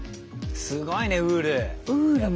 すごいねウール。